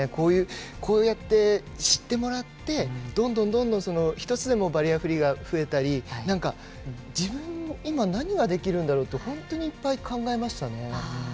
こうやって知ってもらって１つでもバリアフリーが増えたり自分に今何ができるんだろうって本当にいっぱい考えましたね。